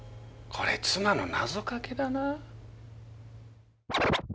こりゃ妻の謎かけだな。